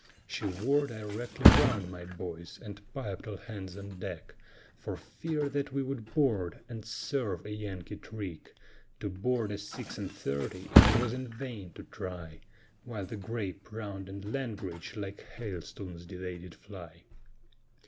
She wore directly round, my boys, and piped all hands on deck, For fear that we would board and serve a Yankee trick; To board a six and thirty it was in vain to try, While the grape, round, and langrage, like hailstones they did fly.